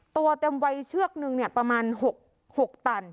ตัวเต็มวัยเชือกนึงประมาณ๖ตัน